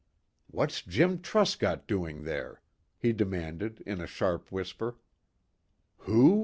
"What's Jim Truscott doing there?" he demanded in a sharp whisper. "Who?